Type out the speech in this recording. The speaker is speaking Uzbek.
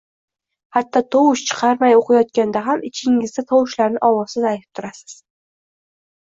Hatto tovush chiqarmay oʻqiyotganda ham, ichingizda tovushlarni ovozsiz aytib turasiz